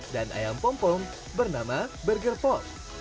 dan ayam pom pom bernama burger pop